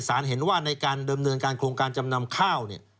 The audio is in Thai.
ศาลเห็นว่าในการเดิมเนินการโครงการจำนำข้าว